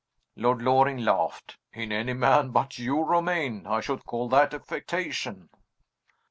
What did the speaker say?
Lord Loring laughed. "In any man but you, Romayne, I should call that affectation."